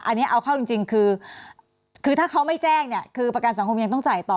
อันนี้เอาเข้าจริงคือถ้าเขาไม่แจ้งเนี่ยคือประกันสังคมยังต้องจ่ายต่อ